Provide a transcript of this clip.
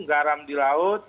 garam di laut